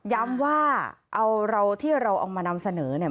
ย้ำว่าเอาเราที่เราเอามานำเสนอเนี่ย